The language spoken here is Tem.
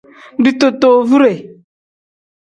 Ditootowure.